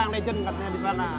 legend katanya di sana